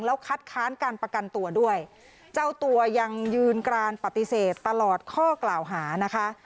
แล้วคัดค้านการประกันตัวด้วยเจ้าตัวยังยืนกรานปฏิเสธตลอดข้อกล่าวหานะคะ